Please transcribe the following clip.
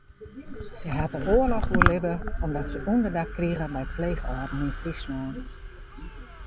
Sy hat de oarloch oerlibbe omdat se ûnderdak krige by pleechâlden yn Fryslân.